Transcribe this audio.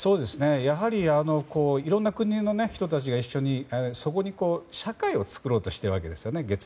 やはりいろんな国の人たちが一緒にそこ、月面に社会を作ろうとしているわけですよね。